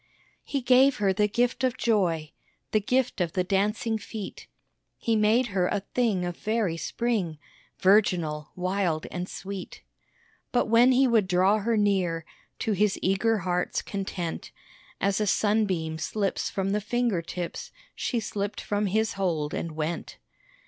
He gave her the gift of joy The gift of the dancing feet He made her a thing of very Spring Virginal wild and sweet. But when he would draw her near To his eager heart's content, As a sunbeam slips from the finger tips She slipped from his hold and went.